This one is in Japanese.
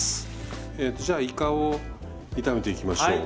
えとじゃあいかを炒めていきましょう。